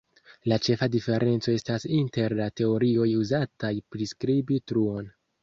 La ĉefa diferenco estas inter la teorioj uzataj priskribi truon.